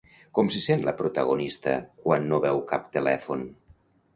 Com se sent la protagonista quan no veu cap telèfon?